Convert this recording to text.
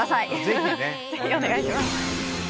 ぜひお願いします。